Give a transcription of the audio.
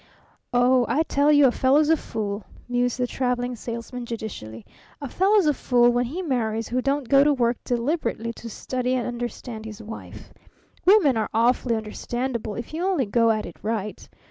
"Oh, I tell you a fellow's a fool," mused the Traveling Salesman judicially, "a fellow's a fool when he marries who don't go to work deliberately to study and understand his wife. Women are awfully understandable if you only go at it right.